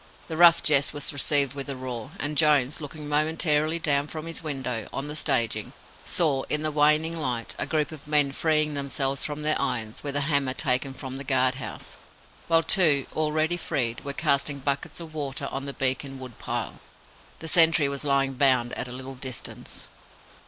The rough jest was received with a roar, and Jones, looking momentarily down from his window on the staging, saw, in the waning light, a group of men freeing themselves from their irons with a hammer taken from the guard house; while two, already freed, were casting buckets of water on the beacon wood pile. The sentry was lying bound at a little distance.